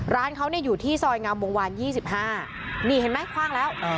ร้านเขาเนี่ยอยู่ที่ซอยงามวงวานยี่สิบห้านี่เห็นไหมคว้างแล้ว